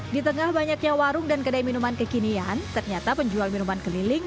di tengah banyaknya warung dan kedai minuman kekinian ternyata penjual minuman keliling